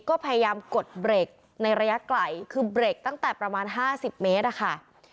ก็พยายามกดเบรกในระยะไกลคือเบรกตั้งแต่ประมาณ๕๐เมตรอะค่ะ